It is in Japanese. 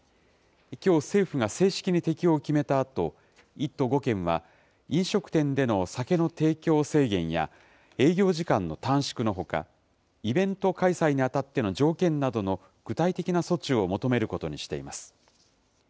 きょう、政府が正式に適用を決めたあと、１都５県は飲食店での酒の提供制限や営業時間の短縮のほか、イベント開催に当たっての条件などの具体的な措置を求めることにしています。